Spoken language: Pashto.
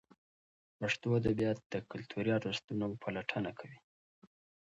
پښتو ادبیات د کلتوري ارزښتونو پلټونه کوي.